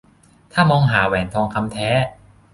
ถ้ามองหาแหวนทองคำแท้